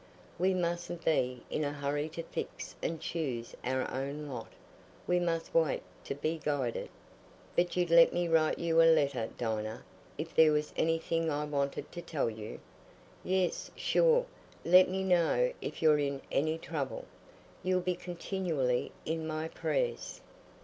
We mustn't be in a hurry to fix and choose our own lot; we must wait to be guided." "But you'd let me write you a letter, Dinah, if there was anything I wanted to tell you?" "Yes, sure; let me know if you're in any trouble. You'll be continually in my prayers."